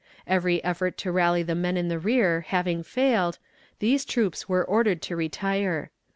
Every effort to rally the men in the rear having failed, these troops were ordered to retire.